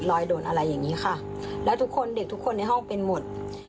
โดนอะไรอย่างนี้ค่ะแล้วทุกคนเด็กทุกคนในห้องเป็นหมด